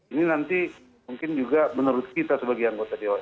ini nanti mungkin juga menurut kita sebagai anggota dewan